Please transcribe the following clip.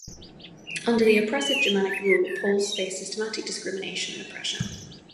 Under the oppressive German rule Poles faced systematic discrimination and oppression.